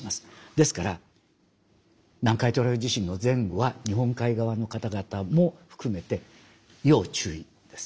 ですから南海トラフ地震の前後は日本海側の方々も含めて要注意です。